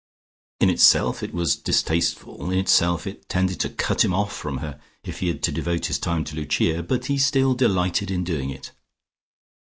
In itself it was distasteful, in itself it tended to cut him off from her, if he had to devote his time to Lucia, but he still delighted in doing it.